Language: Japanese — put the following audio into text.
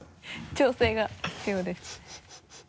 調整が必要です。